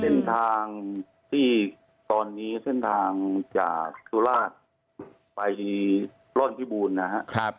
เป็นทางที่ตอนนี้เส้นทางจากสุราชไปร่อนพิบูรณ์นะครับ